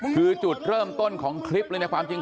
คือจุดเริ่มต้นของคลิปเลยในความจริง